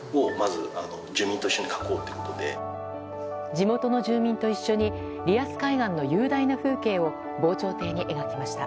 地元住民と一緒にリアス海岸の雄大な風景を防潮堤に描きました。